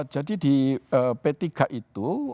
jadi di p tiga itu